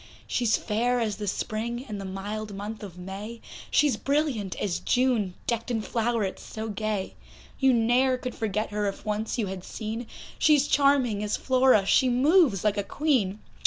She's fair as the Spring in the mild month of May, She's brilliant as June decked in flowerets so gay; You ne'er could forget her if once you had seen, She's charming as Flora, she moves like a Queen.